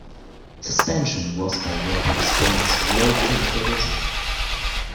Suspension was by rubber springs loaded in torsion.